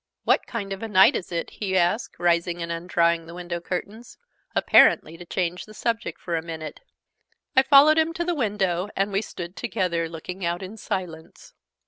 "What kind of a night is it?" he asked, rising and undrawing the window curtains, apparently to change the subject for a minute. I followed him to the window, and we stood together, looking out, in silence.